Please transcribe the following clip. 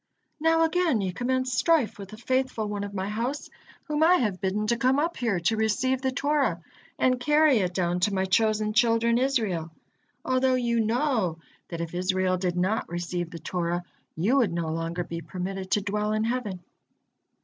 Now again ye commence strife with the faithful one of My house, whom I have bidden to come up here to receive the Torah and carry it down to My chosen children Israel, although you know that if Israel did not receive the Torah, you would no longer be permitted to dwell in heaven."